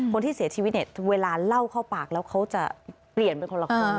คนที่เสียชีวิตเนี่ยเวลาเล่าเข้าปากแล้วเขาจะเปลี่ยนเป็นคนละคน